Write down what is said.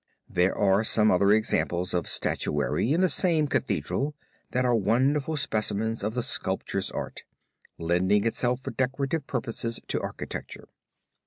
There are some other examples of statuary in the same cathedral that are wonderful specimens of the sculptor's art, lending itself for decorative purposes to architecture.